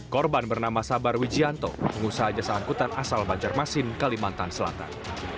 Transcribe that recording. korban bernama sabar wijianto pengusaha jasa angkutan asal banjarmasin kalimantan selatan